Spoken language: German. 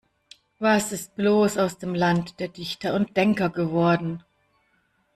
Was ist bloß aus dem Land der Dichter und Denker geworden?